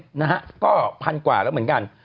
พี่เราหลุดมาไกลแล้วฝรั่งเศส